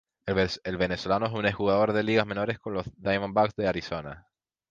El venezolano es un ex jugador de ligas menores con los Diamondbacks de Arizona.